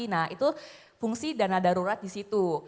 nah itu fungsi dana darurat disitu